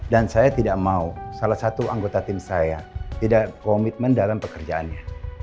dan saya tidak mau salah satu anggota tim saya tidak komitmen dalam pekerjaannya